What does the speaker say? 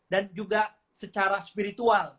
dan juga secara spiritual